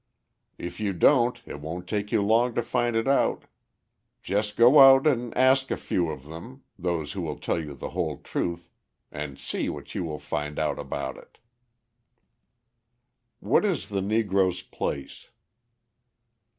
If you don't it won't take you long to find it out; just go out and ask a few of them, those who tell you the whole truth, and see what you will find out about it. _What Is the Negro's Place?